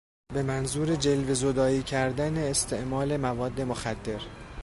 به منظور جلوهزدایی کردن استعمال مواد مخدر